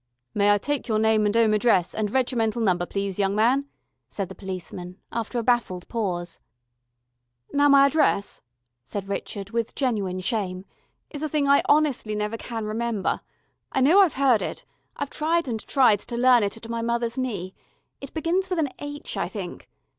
"May I take your name and 'ome address, and regimental number, please, young man," said the policeman, after a baffled pause. "Now my address," said Richard, with genuine shame, "is a thing I honestly can never remember. I know I've heard it; I've tried and tried to learn it at my mother's knee. It begins with an H, I think.